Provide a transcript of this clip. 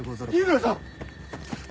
緋村さん！